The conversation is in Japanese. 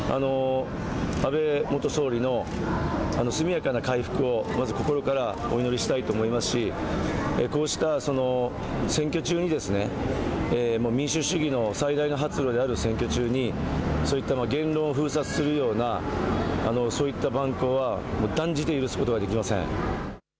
安倍元総理の速やかな回復をまず心からお祈りしたいと思いますし、こうした選挙中に、民主主義の最大の発露である選挙中にそういった言論を封殺するような、そういった蛮行は断じて許すことができません。